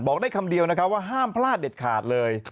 ได้คำเดียวนะครับว่าห้ามพลาดเด็ดขาดเลย